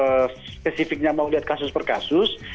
kalau spesifiknya mau lihat kasus per kasus